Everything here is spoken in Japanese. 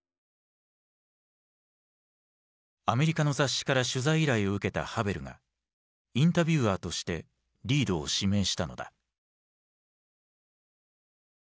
アメリカの雑誌から取材依頼を受けたハヴェルがインタビュアーとしてリードを指名したのだ。